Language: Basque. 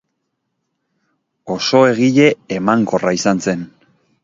Oso egile emankorra izan zen.